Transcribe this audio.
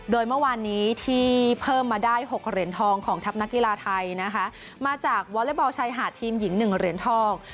โดยเมื่อวานนี้ที่เพิ่มมาได้๖เหรียญทองของทัพนักกีฬาไทยนะคะมาจากวอเล็กบอลชายหาดทีมหญิง๑เหรียญทอง